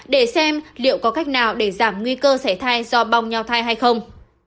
để xem liệu có cách nào để giảm nguy cơ xảy thai do bong nhau thai hay không